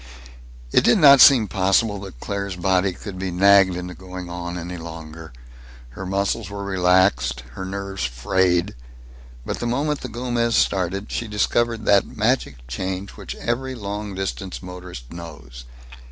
It did not seem possible that Claire's body could be nagged into going on any longer. Her muscles were relaxed, her nerves frayed. But the moment the Gomez started, she discovered that magic change which every long distance motorist knows.